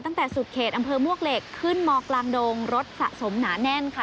ตั้งแต่สุดเขตอำเภอมวกเหล็กขึ้นมกลางดงรถสะสมหนาแน่นค่ะ